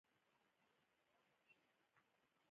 د مالیې وزارت څنګه عواید راټولوي؟